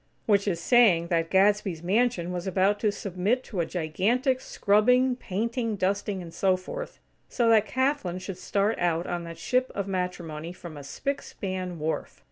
Which is saying that Gadsby's mansion was about to submit to a gigantic scrubbing, painting, dusting, and so forth, so that Kathlyn should start out on that ship of matrimony from a spic span wharf.